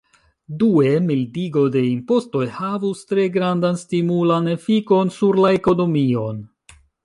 Due, mildigo de impostoj havus tre grandan stimulan efikon sur la ekonomion.